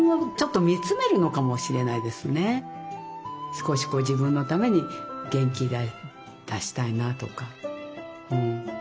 少しこう自分のために元気出したいなとか。